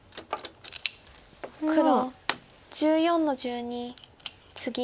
黒１４の十二ツギ。